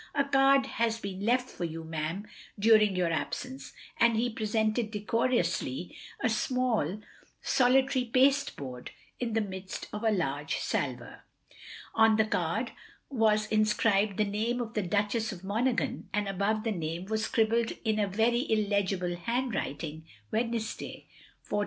"A card has been left for you, ma'am, dtiring your absence," and he presented, decorously, a small, solitary pasteboard in the midst of a large salver. On the card was inscribed the name of the Duchess of Monaghan, and above the name was scribbled in a very illegible handwriting, Wednesday, 4.30.